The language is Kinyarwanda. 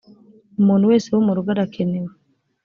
umuntu wese wo mu rugo arakenewe